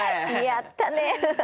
やったね！